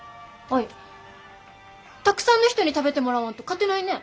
アイたくさんの人に食べてもらわんと勝てないね。